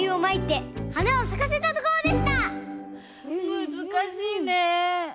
むずかしいね。